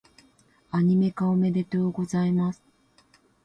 アニメ化、おめでとうございます！